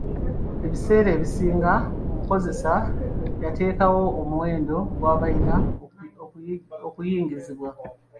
Ebiseera ebisinga, omukozesa y'ateekawo omuwendo gw'abayina okuyingizibwa.